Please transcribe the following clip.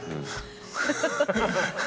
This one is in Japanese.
ハハハハ！